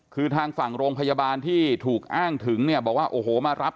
คือทางฝั่งโรงพยาบาลที่ถูกอ้างถึงเนี่ยบอกว่าโอ้โหมารับ